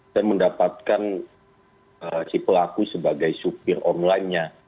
dan mendapatkan si pelaku sebagai supir onlinenya